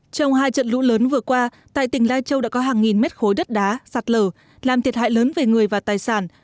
trong hai trận lũ lớn vừa qua tại tỉnh lai châu đã có hàng nghìn mét khối đất đá sạt lở làm thiệt hại lớn về người và tài sản